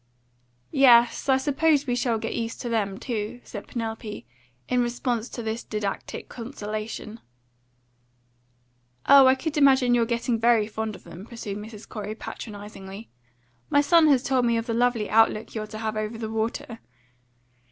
"Yes, I suppose we shall get used to them too," said Penelope, in response to this didactic consolation. "Oh, I could even imagine your getting very fond of them," pursued Mrs. Corey patronisingly. "My son has told me of the lovely outlook you're to have over the water.